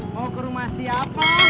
mau ke rumah siapa